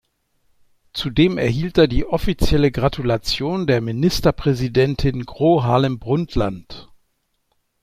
Zudem erhielt er die offizielle Gratulation der Ministerpräsidentin Gro Harlem Brundtland.